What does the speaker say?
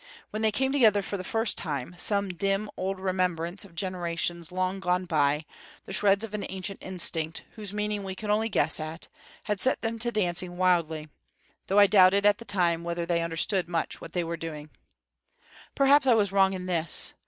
When they came together for the first time some dim, old remembrance of generations long gone by the shreds of an ancient instinct, whose meaning we can only guess at had set them to dancing wildly; though I doubted at the time whether they understood much what they were doing. Perhaps I was wrong in this.